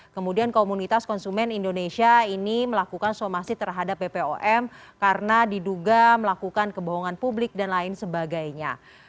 kemudian komunitas konsumen indonesia ini melakukan somasi terhadap bpom karena diduga melakukan kebohongan publik dan lain sebagainya